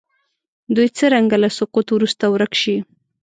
دوی څرنګه له سقوط وروسته ورک شي.